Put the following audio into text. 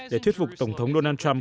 để thuyết phục tổng thống donald trump